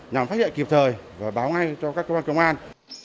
nhằm phát hiện kịp thời và báo ngay cho các công an